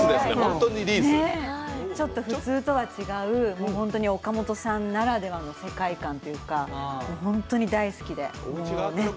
ちょっと普通とは違う、岡本さんならではの世界観というか本当に大好きで。